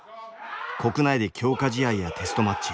国内で強化試合やテストマッチ